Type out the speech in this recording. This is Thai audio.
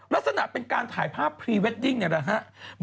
ลักษณะเป็นการถ่ายภาพพรีเวดดิ้งนี่แหละครับ